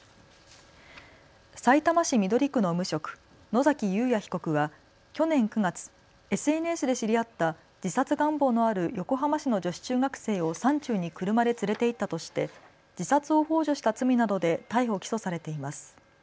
さいたま市緑区の無職、野崎祐也被告は去年９月、ＳＮＳで知り合った自殺願望のある横浜市の女子中学生を山中に車で連れて行ったとして自殺をほう助した罪などで逮捕・起訴されています。